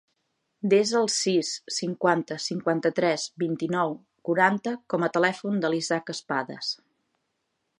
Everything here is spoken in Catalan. Desa el sis, cinquanta, cinquanta-tres, vint-i-nou, quaranta com a telèfon de l'Isaac Espadas.